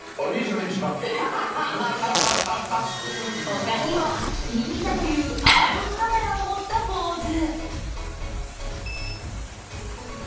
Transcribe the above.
他にも、人気だというアナログカメラを持ったポーズ。